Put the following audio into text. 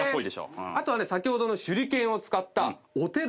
あとは先ほどの手裏剣を使ったお手玉。